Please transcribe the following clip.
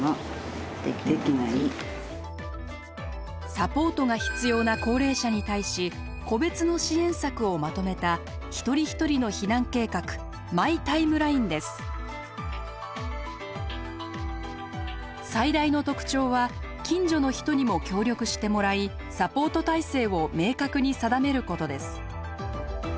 サポートが必要な高齢者に対し個別の支援策をまとめた１人１人の避難計画最大の特徴は近所の人にも協力してもらいサポート体制を明確に定めることです。